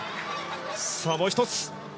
もう１つ。